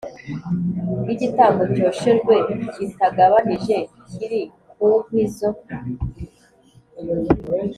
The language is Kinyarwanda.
Y igitambo cyoshejwe kitagabanije kiri ku nkwi zo